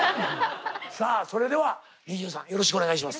さあそれではＮｉｚｉＵさんよろしくお願いします。